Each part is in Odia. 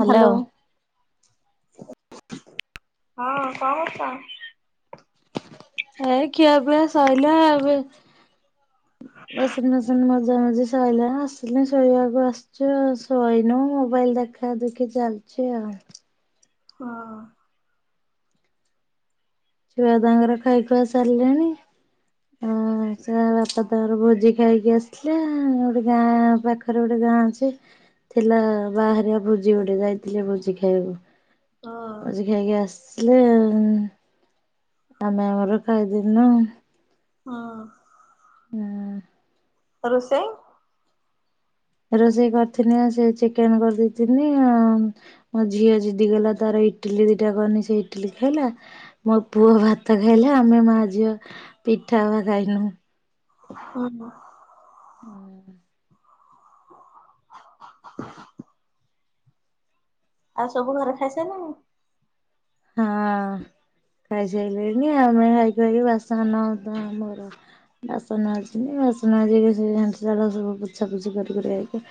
ହ୍ୟାଲୋ। ହଁ! କ'ଣ କରୁଚ? ଏଇ ଖିଆ ପିଆ ସଇଲା। ଏବେ [inaudible] ମଜା ମଜି ସଇଲା, ଆସିଲି ଶୋଇବାକୁ ଆସ୍‌ଚୁ ଆଉ। ଶୋଇନୁ ମୋବାଇଲ ଦେଖା ଦେଖି ଚାଲ୍ [inaudible] ହଁ! ଛୁଆ ତା'ଙ୍କର ଖାଇ ଖୁଆ ସାର୍ଲେଣି। ଆଁ, ସେ ବାପା ତା ଭୋଜି ଖାଇକି ଆସ୍‌ଥିଲେ। ଗୋଟେ ଗାଁ ପାଖରେ ଗୋଟେ ଗାଁ ଅଛି, ଥିଲା ବାହାହରିଆ ଭୋଜି ଗୋଟେ। ଯାଇଥିଲେ ଭୋଜି ଖାଇବାକୁ। ହଁ ଭୋଜି ଖାଇକି ଆସ୍‌ଲେ ଆମେ ଆମର ଖାଇଦେଲୁ ନା ହଁ। ହୁଁ। ରୋଷେଇ? ରୋଷେଇ କରିଥିନି ସେ ଚିକେନ କରିଦେଇଥିନି ଆଉ ମୋ ଝିଅ ଜିଦିଗଲା ତାର ଇ ଇଟିଲି ଦିଟା କଲି ସେ ଇଟିଲି ଖାଇଲା ମୋ ପୁଅ ଭାତ ଖାଇଲା ଆମେ ମା ଝିଅ ପିଠା ବା ଖାଇଲୁନୁ। ହଁ ବ। ହୁଁ। [inaudible] ଆଉ ସବୁ ଘରେ ଖାଇସାରିଲେଣି? ହୁଁ। ଖାଇସାରିଲେଣି ଆମେ ଖାଇକି ଖାଇ କରି ବାସନ ଆମର ବାସନ ଅଛି। ବାସନମାଜିକି ସେ ହାଣ୍ଡି ଶାଳ ସବୁ ପୋଛା ପୋଛି କରି କରି ଆଇକି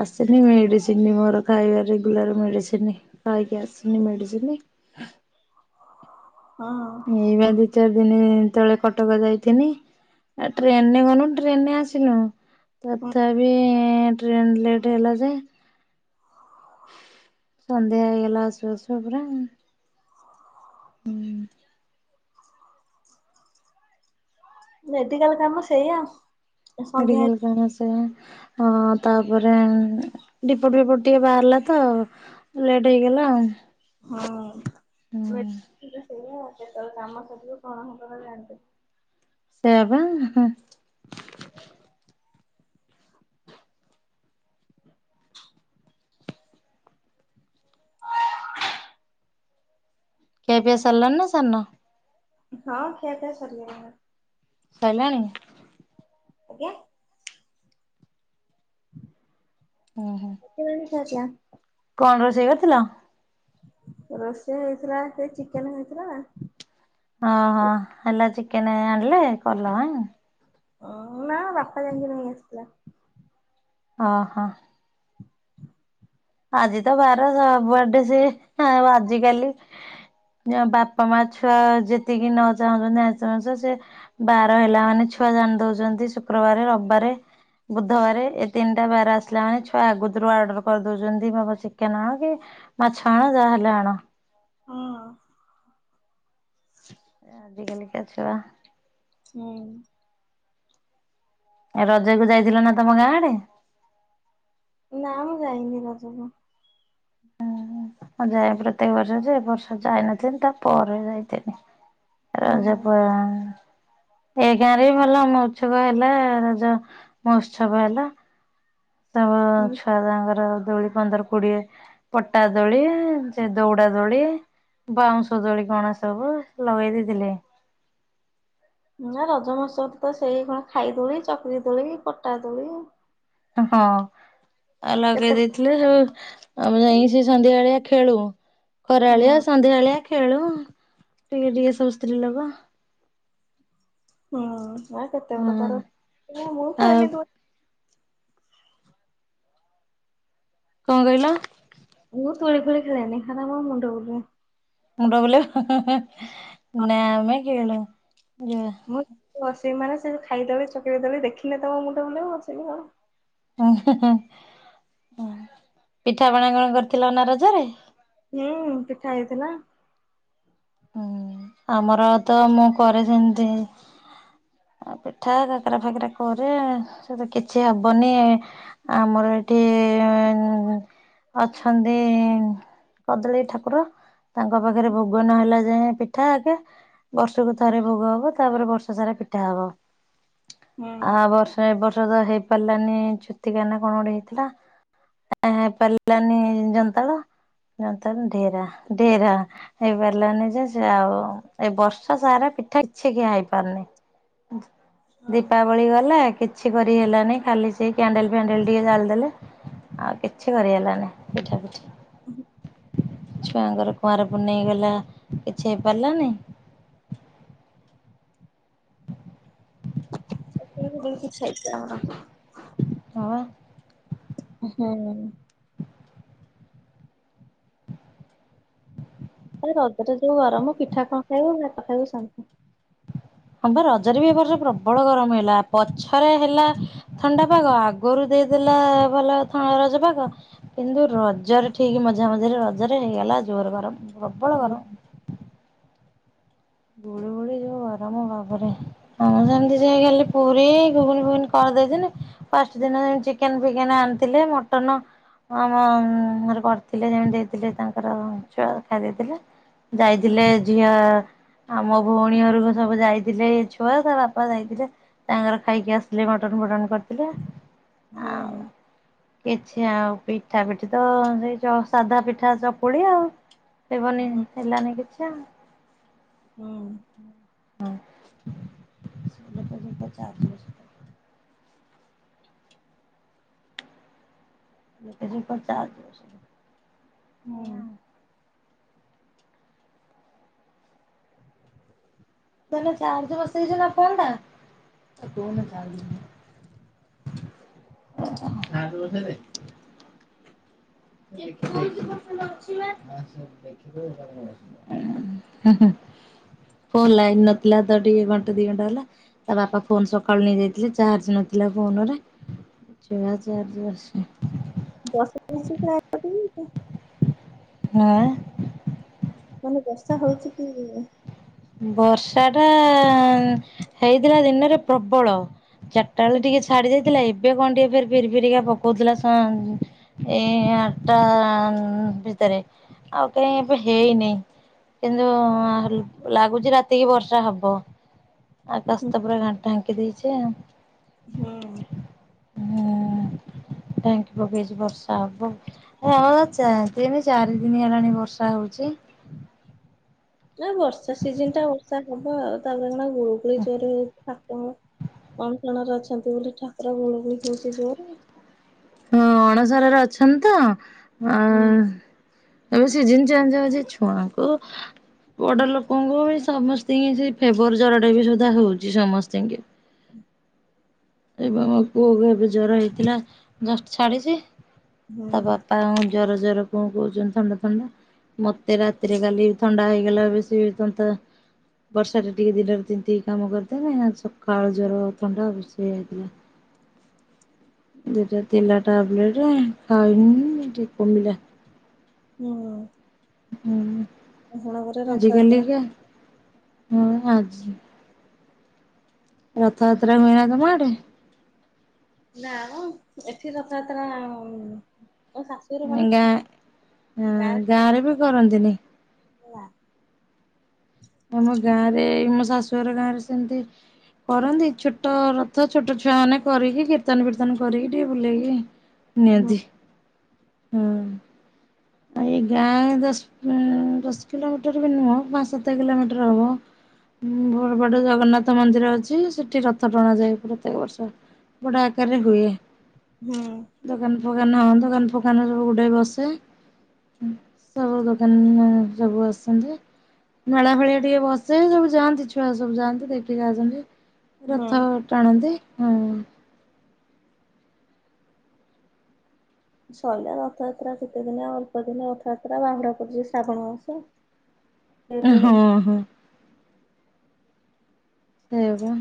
ଆସିନି ମେଡିସିନ ମୋର ଖାଇବା ରେଗୁଲାର ମେଡିସିନ ଖାଇକି ଆସିନି ମେଡିସିନ। [inaudible] ହଁ ଏଇ ବା ଦି ଚାରି ଦିନ ଦିନି ତଳେ କଟକ ଯାଇଥିନି ଆ ଟ୍ରେନରେ ଗଲୁ ଟ୍ରେନ ରେ ଆସିଲୁ। ତଥାପି ଟ୍ରେନ ଲେଟ ହେଲା ଯେ ସନ୍ଧ୍ୟା ହେଇଗଲା ଆସୁ ଆସୁ ପୁରା। ହୁଁ। ମେଡିକାଲ କାମ ସେଇଆ ସନ୍ଧ୍ୟା ମେଡିକଲ କାମ ସେଇଆ। ହ ତାପରେ ରିପୋଟ ଫିପୋଟ ଟିକେ ବାହାରିଲା ତ ଲେଟ୍ ହେଇଗଲା। [unintelligible] ହଁ [unintelligible] ହୁଁ ସେୟା କେତେବେଳେ କାମ ସରିବ କଣ ହବ ହେ କଥା ଜାଣିନି। ସେୟା ବା। ଖିଆ ପିଆ ସରିଲାଣି ନା ସାରିନ। ହଁ ଖିଆ ପିଆ ସରିଗଲାଣି। ସାରିଲାଣି? ଆଜ୍ଞା। ଉଁ ହୁଁ। [unintelligible] କଣ ରୋଷେଇ କରିଥିଲ? ରୋଷେଇ ହେଇଥିଲା ସେ ଚିକେନ ହେଇଥିଲା। ଓହ ହେଲା ଚିକେନ ଆଣିଲେ କଲ ଆ ଓ ନା ବାପା ଯାଇକି ନେଇ ଆସି ଥିଲା। ଅ ହ। ଆଜି ତ ବାର ସବୁ ଆଡେ ସେ ଆଉ ଆଜିିକାଲି ଯ ବାପା ମା ଛୁଆ ଯେତିକି ନ ଚାହୁଁଛନ୍ତି ଆଇଁଷ ମାଂସଶ ସେ ବାର ହେଲା ମାନେ ଛୁ ଛୁଆ ଜାଣି ଦଉଛନ୍ତି ଶୁକ୍ରବାରେ, ରବିବାରେ। ବୁଧବାର ଏ ତିନିଟା ବାର ଆସିଲା ମାନେ ଛୁଆ ଆଗତୁରୁ ଅର୍ଡର କରିଦ କରି ଦଉଛନ୍ତି ବାପ ଚିକେନ ଆଣ କି ମାଛ ଆଣ ଯାହାହେଲେ ଆଣ। ହଁ। ଆଜିିକାଲିିକା ଛୁଆ। ହୁଁ। ଏ ରଜ କୁ ଯାଇଥିଲ ନା ତମ ଗାଁ ଆଡେ। ନା ମ ମୁଁ ଯାଇନି ରଜ କୁ। ହୁଁ ମୁଁ ଯାଏ ପ୍ରତ୍ୟେଆକ ବର୍ଷ ଯେ ବର୍ଷେ ଯାଇନଥିନି ତା ପରେ ଯାଇଥିଲି। ରଜ ପ ଏ ଗାଁରେ ବି ଭଲ ମହୋତ୍ସବ ହେଲା ରଜ ମହୋତ୍ସବ ହେଲା। ସବୁ ହୁଁ ଛୁଆ ତାଙ୍କର ଦୋଳି ପନ୍ଦର କୋଡିଏ ପଟା ଦୋଳି ସେ ଦୌଡା ଦୋଳି। ବାଉଁଶ ଦୋଳି କଣ ସବୁ ଲଗେଇ ଦେଇଥିଲେ। [inaudible] ନା ରଜ ମହୋତ୍ସବ ତ ସେଇ କଣ ଖାଇଦୋଳି ଚକରି ଦୋଳି କଟା ଦୋଳି। ହଁ ଆଉ କେତେ ଲଗେଇ ଦେଇେଥିଲେ ସେ ଆମେ ହୁଁ ଯାଇ କି ସେ ସନ୍ଧ୍ୟା ବେଳିଆ ଖେଳୁ ଖରାଳିଆ ସନ୍ଧ୍ୟାବେଳିଆ ଖେଳୁ ଟିକେ ଟିକେ ସବୁ ସ୍ତ୍ରୀ ଲୋକ। ହୁଁ ଆ କେତେ ଗୋରେ କୁଆଡୁ ହଁ ମୁଁ ଆଉ ଖାଇଲିନି କଣ କହିଲ? ମୁ ଦୋଳି ଫୋଳି ଖେଳେନି ହେଡା ମ ମୁଣ୍ଡ ବୁଲାଏ। ମୁଣ୍ଡ ବୁଲେଇବ ନା ନା ଖେଳୁ ଯା ମୁଁ ବସିବି ମାନେ ସେ ଖାଇଦେଲେ ଚକେଇ ଦେଲି ଦେଖିଲେ ତ ମ ମୁଣ୍ଡ ବୁଲେଇବ ବଶିବି କଣ। ପିଠାପଣା କଣ କରିଥିଲ ନା ରଜରେ? ହୁଁ ପିଠା ହେଇଥିଲା। ହୁଁ ଆମର ତ ମୁଁ କରେ ଯେମତି [inaudible] ପିଠା କାକରା ଫାକରା କରେ, ସେ ତ କିଛି ହବନି ଆମର ଏଠି [inaudible] ଅଛନ୍ତି କଦଳୀ ଠାକୁର, ତାଙ୍କ ପାଖରେ ଭୋଗ ନହେଲା ଜା ଯ ପିଠା ଆଗେ ବର୍ଷକୁ ଥରେ ଭୋଗ ହବ ତାପରେ ବର୍ଷା ସାରା ପିଠା ହବ। ହୁଁ ଆର ବର୍ଷ ଏ ବର୍ଷ ତ ହେଇପାରିଲାନି ଛୁତିକା ନା କଣ ଗୋଟେ ହେଇଥିଲା। ଥି ପାଇଁ ହେଇ ପାରିଲାନି ଯନ୍ତାଳ। ରନ୍ତନ ଢେରା ଢେରା ହେଇପାରିଲାନି ଯେ ସେ ଆଉ ଏ ବର୍ଷ ସାରା ପିଠା କିଛି ଖିଆ ହେଇପାରୁନି। ଦୀପାବଳି ଗଲା। କିଛି କରି ହେଲାନି ଖାଲି ସେଇ କ୍ୟାଣ୍ଡେଲ ଫ୍ୟାଣ୍ଡେଲ ଟିକେ ଜାଳିଦେଲେ। ଆଉ କିଛି କରି ହେଲାନି ପିଠା ପିଠା। ଛୁଆଙ୍କର କୁଆଁରପୁନେଇଁ ଗଲା। କିଛି ହେଇପାରିଲାନୀ। ସେଟା ହଁ। ହୁଁ ଏଇ ରଜରେ ଯୋଉ ଗରମ ପିଠା କଣ ଖାଇବୁ ଭାତ ଖାଇବୁ ଶାନ୍ତି। ହଁ ବା ରଜରେ ବି ଏ ବର୍ଷ ପ୍ରବଳ ଗରମ ହେଲା ପଛରେ ହେଲା ଥଣ୍ଡା ପାଗ ଆଗରୁ ଦେଇ ଦେଲା ଭଲ ଥ ରଜ ପାଗ କିନ୍ତୁ ରଜରେ ଠିକ ମଝା ମଝିରେ ରଜରେ ହେଇଗଲା ଟା ଜୋର ଗରମ୍ ପ୍ରବଳ ହୁଁ ଗରମ। ଗୁଳି ଗୁଳି ଯୋଉ ଗରମ ବାବାରେ ଆମେ ସେମିତି ସେଇ ଖାଲି ପୁରୀ ଗୁଗୁନି ଫୁଗୁନି କରି କରିଦେଇଥିଲି ଫାଷ୍ଟ ଦିନ ସେମିତି ଚିକେନ ଫିକେନ ଆଣିଥିଲେ ମଟନ ହଁ ହଁ ଆମ ଘରେ କରିଥିଲେ ସେମିତି ଦେଇଥିଲେ ତାଙ୍କର ଛୁଆ ଖାଇ ଦେଇଥିଲେ। ହୁଁ ଯାଇଥିଲେ ଝିଅ ଆ ମୋ ଭଉଣୀ ଘରକୁ ସବୁ ଯାଇଥିଲେ ଛୁଆ ତା ବାପା ଯାଇଥିଲେ ତାଙ୍କର ଖାଇକି ଆସିଲେ ମଟନ ଫଟନ କରିଥିଲେ। ହୁଁ। ଛି ଆଉ ପିଠା ପିଠି ତ ସେଇ ସାଧା ପିଠା ଚକୁଳି ଆଉ। ହେବନି ହୁଁ ହେଲାନି କିଛି ଆଉ। ହୁଁ। [unintelligible] [unintelligible] ହୁଁ। ଧନ ଚାର୍ଜ ବସେଇଚୁନା ଫୋନ ଟା? [unintelligible] [unintelligible] ହୁଁ ହୁଁ। ଫୋନ ଲାଇନ୍ ନଥିଲା ତ ଟିକେ ଘଣ୍ଟା ଦି ଘଣ୍ଟା ହେଲା। ତା ବାପା ଫୋନ ସକାଳୁ ନେଇଯାଇଥିଲେ ଚାର୍ଜ ନଥିଲା ଫୋନରେ ଚା ଚାର୍ଜ ବସି ଦଶ [inaudible] ହେ-ଅ-ଅ ମାନେ ବର୍ଷା ହଉଚି କି? ବର୍ଷାଟା-ଆ-ଆ-ଆ ହେଇଥିଲା ଦିନରେ ପ୍ରବଳ। ଚାରିଟା ବେଳେ ଟିକେ ଛାଡି ଯାଇଥିଲା ଏବେ କଣ ଟିକେ ଫିରି ଫିରିକା ପକଉଥିଲା ସ ଏଇ ଆଠଟା-ଆ-ଆ-ଆ ଭିତରେ। ଆଉ କାହିଁ ଏବେ ହେଇନି କିନ୍ତୁ-ଉ-ଉ-ଉ ଲାଗୁଛଚି ରାତି କିି ବର୍ଷା ହବ। ଆକାଶ ତ ପୁରା ଢା ଢାଙ୍କି ଦେଇଛି ଆଉ। ହୁଁ ଢାଙ୍କି ପକେଇଛି ବର୍ଷା ହବ। ଆ-ଆ-ଆ ଚା ତିନି ଚାରି ଦିନି ହେଲାଣି ବର୍ଷା ହଉଛି। ନା ବର୍ଷା ସିଜନ ଟା ବର୍ଷା ହବ ଆଉ। ତାପରେ କଣ ଗୁଳୁଗୁଳି ଜୋରେ ହଉ କଣ ଅଣଶରରେ ଅଛନ୍ତି ବୋଲି ଠାକୁର ଗୁଳଗୁଳି ହେଉଛି ଜୋରେ। ହଁ ଅଣସରରେ ଅଛନ୍ତି ତ ଆ ହୁଁ। ଏବେ ସିଜିନି ଚେଞ୍ଜ ହଉଚି ଛୁଆଙ୍କୁ ବଡ ଲୋକଙ୍କୁ ବି ସମସ୍ତଙ୍କୁ ଯେ ଫେବର ଜରଟା ବି ସୁଧା ହଉଛି ସମସ୍ତିଙ୍କି। ଏବେ ମୋ ପୁଅକୁ ଏବେ ଜର ହେଇଥିଲା ଜଷ୍ଟ ଛାଡିଛି। ହୁଁ ତା ବାପା ଜ୍ଵର ଜ୍ଵର କଣ କହୁଛନ୍ତି ଥଣ୍ଡା ଥଣ୍ଡା। ମତେ ରାତିରେ କାଲି ଥଣ୍ଡା ହେଇଗଲା ବେଶୀ ତନ୍ତା ବର୍ଷାରେ ଟିକେ ଦିନରେ ତିନ୍ତି କି କାମ କରିଦେନୀ ଆଜି ସକାଳୁ ଜ୍ୱର ଆଉ ଥଣ୍ଡା ହଉଚି। ସେମିତି ଦିଟା ତିନିଟା ଟାବଲେଟ ଖାଉନି ଟିକେ କମିଲା। ହୁଁ, ହୁଁ, ହଣ ଘରେ ରଥଯାତ୍ରା, ଆଜିକାଲିକା ହଁ ଆଜି, ରଥଯାତ୍ରା ମେଳା ତମ ଆଡେ? ନା ମ ଏଠି ରଥାଯାତ୍ରା ଉମ-ମ୍-ମ୍ ଗାଁ, ଅ ଗାଁ ରେ ବି କରନ୍ତିନି। ନା, ଆମ ଗାଁ ରେ ମୋ ଶାଶୁଘର ଗାଁ ରେ ସେମିତି କରନ୍ତି ଛୋଟ ରଥ ଛୋଟ ଛୁଆ ମାନେ କରିକି କୀର୍ତ୍ତନ ଫୀର୍ତ୍ତନ କରିକି ଟିକେ ବୁଲେଇକି ନିଅନ୍ତି ହଁ। ଏଇ ଗାଁ ଦଶ ଉ-ଉ-ଉ ଦଶ କିଲୋମିଟର ବି ନୁହଁ ପାଞ୍ଚ ସାତ କିଲୋମିଟର ହବ ହଁ ବ ବଡ଼ ଜଗନ୍ନାଥ ମନ୍ଦିର ଅଛି ସେଠି ରଥ ଟଣା ଯାଏ ପ୍ରତ୍ୟେକ ବର୍ଷ। ବଡ଼ା ଆକାରରେ ହୁଏ। ହୁଁ, ଦୋକାନ ଫୋକାନ, ଦୋକାନ ଫୋକାନ ସବୁ ଗୁଡ଼େ ବସେ। ହୁଁ, ସବୁ ଦୋକାନ ସବୁ ଆସନ୍ତି। ମେଳା ଭଳିଆ ଟିକେ ବସେ ସବୁ ଯାଆନ୍ତି ଛୁଆ ସବୁ ଯାଆନ୍ତି ଦେଖିକି ଆସନ୍ତି। ହୁଁ ରଥ ଟାଣନ୍ତି, ହଁ। ସରିଲା ରଥଯାତ୍ରା କେତେ ଦିନ ଆଉ ଅଳ୍ପ ଦିନ ରଥଯାତ୍ରା ବାହୁଡ଼ା ପଡିୁଛି ଶ୍ରାବଣ ମାସ। ଲେଟରେ ହଁ ପଡୁଛି ହଁ। ସେଇ ବା।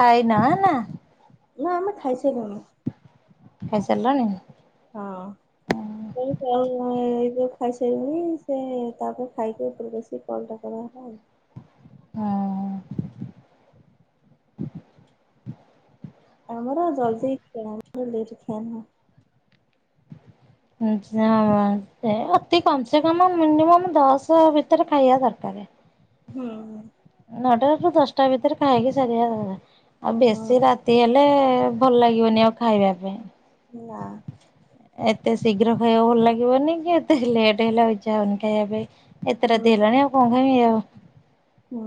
ଖାଇନ ନା? ନା ଆମେ ଖାଇ ସାଇଲୁଣୁ। ଖାଇ ସାଲଣି? ହଁ। ଏଇ ଯୋଉ ଖାଇସାରିଲୁଣି ସେ ତାପରେ ଖାଇକି ଉପରେ ଆସି କଲ ଟା କର ଓ ହୋ। ହଁ। ଆମର ଜଲଦି ଖିଆ ଆମର ଲେଟ ଖିଆ ନୁହଁ। ହୁଁ ସେ ଅତି କମ ସେ କମ ମିନିମମ ଦଶ ଭିତରେ ଖାଇବା ଦରକାର। [unintelligible] ହୁଁ ହୁଁ। ନଅଟା ରୁ ଦଶଟା ଭିତରେ ଖାଇକି ସାରିବା ଆଉ ହଁ ବେଶୀ ରାତି ହେଲେ ହେଲେ ଭଲ ଲାଗିବନି ଆଉ ଖାଇବା ପାଇଁ। ନା। ଏତେ ଶୀଘ୍ର ଖାଇବାକୁ ଭଲ ଲାଗିବନି କି ଏତେ ଲେଟ୍ ହେଲା ଆଉ ଇଛା ହଉନି ଖାଇବା ପାଇଁ। ଏତେ ହୁଁ ରାତି ହେଲାଣି ଆଉ କଣ ଖାଇବି ଏୟା ଆଉ। ହୁଁ।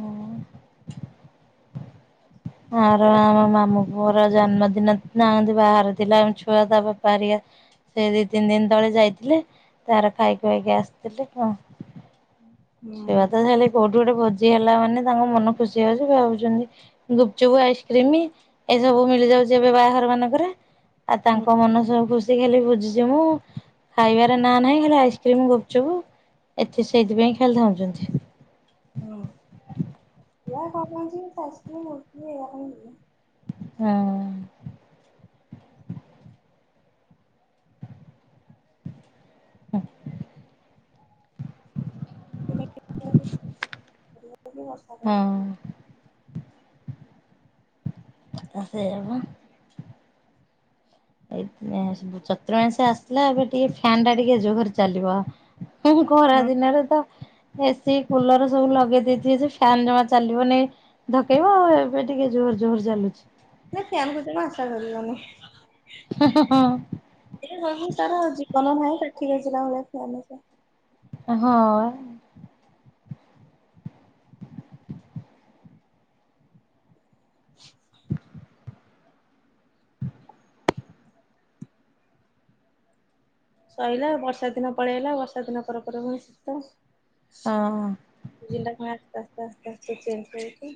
ହଁ। ଆର ତାର ଗାଁ ର ମାମୁଁ ମୋର ଜନ୍ମଦିନ ଥିଲା ଆମେ ତୀ ବାହାରେ ଥିଲା ଆମ ଛୁଆ ତା ବୋପା ହେରିକା ସେ ଦିଇ ତିନି ଦିନ ତଳେ ଯାଇଥିଲେ ତାର ଖାଇ ଖୁଆକି ଆସିଥିଲେ କଣ? ସେଆ ହୁଁ ତ ତାଲେ କୋଉଠି ଗୋଟେ ଭୋଜି ହେଲା ମାନେ ତାଙ୍କ ମନ ଖୁସି ହଉଛି ଭାବୁଛନ୍ତି। ଗୁପଚୁପ, ଆଇସ୍କ୍ରିମ ଏ ସବୁ ମିଳିଯାଉଛି ଏବେ ବାହାଘର ମାନଙ୍କରେ। ଆଉ ହୁଁ ତାଙ୍କ ମନ ସବ ଖୁସି। ଖାଲି ବୁଝିଛି ମୁଁ ଖାଇବାର ନାଁ ନାହିଁ ଖାଲି ଆଇସ୍କ୍ରିମ ଗୁପଚୁପ। ଏତେ ସେଇଥିପାଇଁ ଖାଲି ଧାଉଁଛନ୍ତି। [unintelligible] ହୁଁ। ହଁ [unintelligible] ସେୟା ପା। ଏ ଚତୁର୍ମାଂସ ଆସିଲା ଏବେ ଟିକେ ଫ୍ୟାନ ଟା ଟିକେ ଜୋହରେ ଚାଲିବ। ଖରା ଦିନରେ ତ ଏ ସିି କୁଲର ସବୁ ଲଗେଇ ଦେଇଥିବେ ଯେ ଫ୍ୟାନ ଜମା ଚାଲିବନି ଧକେଇବ। ଆଉ ଏବେ ଟିକେ ଯୋଉ ଜୋରେ ଚାଲୁଛି। ନା ସେ ଆମ କତୁରୁ ଆଶା କରିବେନି। ହେ ହେ ହଁ। ସବୁ ତାର ଜୀବନ ନାହିଁ କାଠି ଗେଂଜିଲା ଭଳିଆ ଫ୍ୟାନ ସେଟା। ହଁ। [inaudible] ସରିଲା ବର୍ଷା ଦିନ ପଳେଇଲା ବର୍ଷା ଦିନ ପରେ ପରେ ପୁଣି ଶୀତ। ହଁ। ଜିଲ୍ଲା କଣ ଆସ୍ତେ ଆସ୍ତେ ଆସ୍ତେ ଚେଞ୍ଜ ହଉଛି।